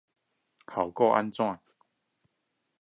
效果怎樣